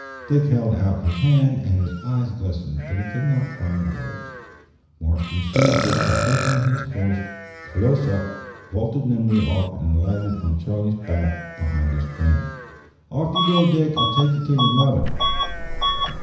Dick held out his hand, and his eyes glistened, but he could not find words. Marston seized it, and pushing his horse close up, vaulted nimbly off and alighted on Charlie's back behind his friend. "Off ye go, Dick! I'll take ye to yer mother."